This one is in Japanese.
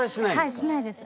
はいしないです。